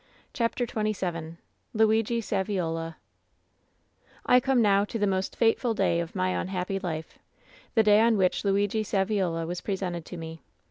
CHAPTEE XXVII LUIGI SA VIOLA "I COME now to the most fateful day of my unhappy life. The day on which Luigi Saviola was presented to me.